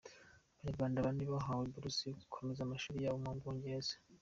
Abanyarwanda bane bahawe Buruse zo gukomereza amashuri yabo mu Bwongereza